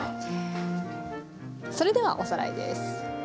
それではおさらいです。